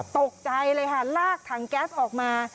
ตกใจเลยค่ะลากถังแก๊สออกมา